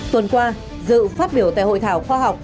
tuần qua dự phát biểu tại hội thảo khoa học